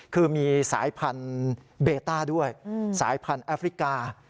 คือมีสายพันธุ์เบต้าด้วยสายพันธุ์แอฟริกา